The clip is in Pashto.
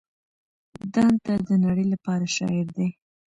دانته د نړۍ لپاره شاعر دی.